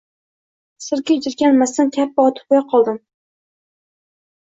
Sira jirkanmasdan, kappa otib qo‘yaqoldim